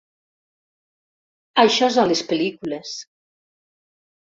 Això és a les pel·lícules.